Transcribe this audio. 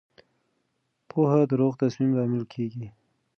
پوهه د روغ تصمیم لامل کېږي.